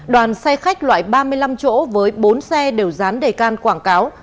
đoàn xe khách loại ba mươi năm chỗ với bốn xe đều dán đề can quảng cáo